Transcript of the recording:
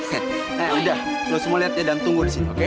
he he udah lo semua liat ya dan tunggu disini oke